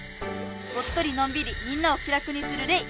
「『お』っとりのんびりみんなを気楽にするレ『イ』」！